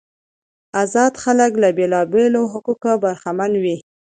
آزاد خلک له بیلابیلو حقوقو برخمن وو.